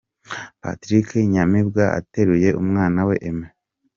Patrick Kanyamibwa ateruye umwana wa Aime.